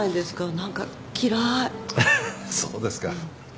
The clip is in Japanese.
そうですか。